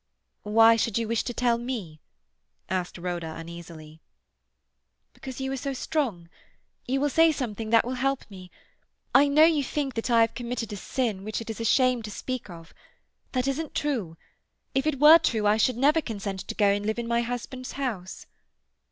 "Why should you wish to tell me?" asked Rhoda uneasily. "Because you are so strong. You will say something that will help me. I know you think that I have committed a sin which it is a shame to speak of. That isn't true. If it were true I should never consent to go and live in my husband's house."